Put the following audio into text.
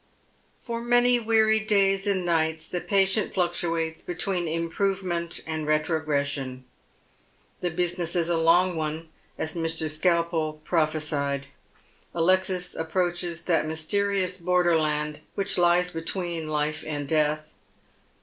For many weary days and nights the patient fluctuates between improvement and retrogression. The business is a long one, as Mr. Skalpel prophesied. Alexis approaches that mysterious border land which lies between life and death.